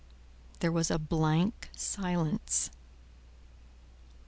There was a blank silence.